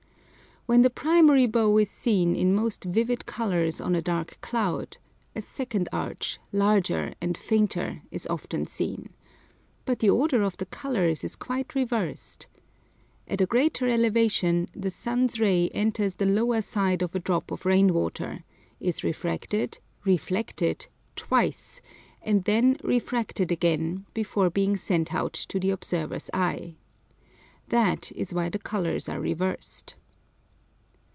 When the primary bow is seen in most vivid colours on a dark cloud, a second arch, larger and fainter, is often seen. But the order of the colours is quite reversed. At a greater elevation, the sun's ray enters the lower side of a drop of rain water, is refracted, reflected twice, and then refracted again before being sent out to the observer's eye. That is why the colours are reversed.